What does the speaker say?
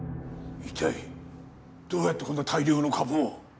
一体どうやってこんな大量の株を？